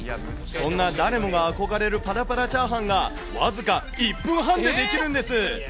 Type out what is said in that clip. そんな誰もが憧れるパラパラチャーハンが、僅か１分半でできるんです。